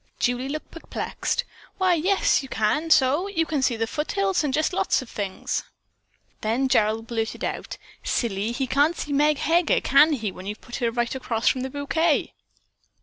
Julie looked perplexed. "Why, yes, you can so! You can see the foothills, and just lots of things." Then Gerald blurted out, "Silly, he can't see Meg Heger, can he, when you've put her right across from the bouquet?"